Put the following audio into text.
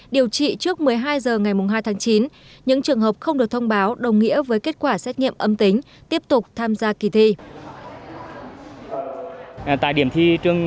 điều trị trước một mươi hai h ngày hai tháng chín những trường hợp không được thông báo đồng nghĩa với kết quả xét nghiệm âm tính tiếp tục tham gia kỳ thi